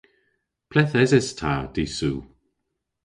Ple'th eses ta dy'Sul?